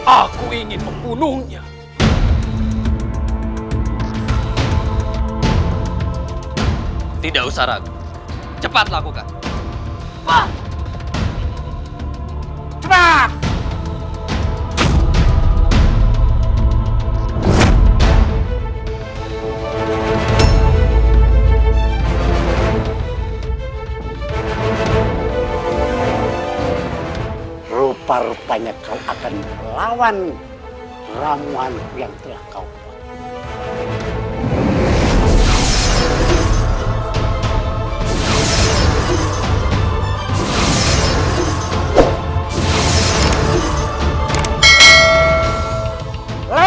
aku akan bisa merintahkan apa saja yang aku mau